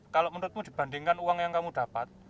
kalau menurutmu dibandingkan uang yang kamu dapat